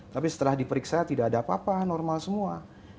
tapi setelah diperiksa tidak ada apa apa normal semua